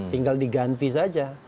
tinggal diganti saja